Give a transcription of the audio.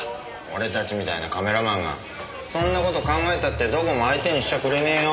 俺たちみたいなカメラマンがそんな事考えたってどこも相手にしちゃくれねえよ。